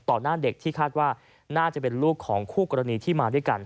หน้าเด็กที่คาดว่าน่าจะเป็นลูกของคู่กรณีที่มาด้วยกัน